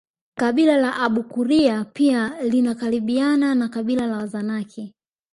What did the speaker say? Kabila la Abakuria pia linakaribiana na kabila la Wazanaki